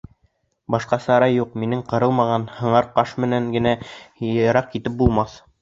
Башҡа сара юҡ, минең ҡырылмаған һыңар ҡаш менән генә йыраҡ китеп булмаҫ.